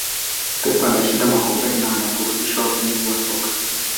pep anashinda makombe na anaburudisha wapenzi wa soka